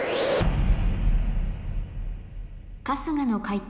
春日の解答